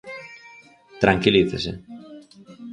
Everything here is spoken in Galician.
Tranquilícese.